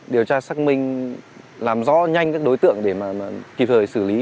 điều tra xác minh làm rõ nhanh các đối tượng để mà kịp thời xử lý